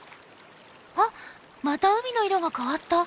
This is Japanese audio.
あっまた海の色が変わった。